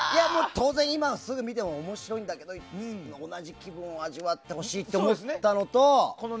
当然、今すぐ見ても面白いんだけど同じ気分を味わってほしいって思ったのと。